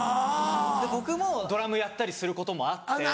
僕もドラムやったりすることもあって。